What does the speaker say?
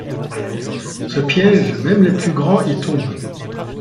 Ce piège, même les plus grands y tombent.